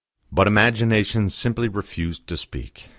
But imagination simply refused to speak.